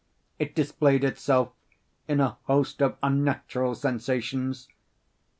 It displayed itself in a host of unnatural sensations.